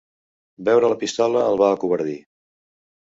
Veure la pistola el va acovardir.